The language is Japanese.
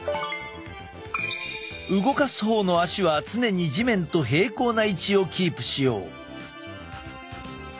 動かす方の足は常に地面と平行な位置をキープしよう。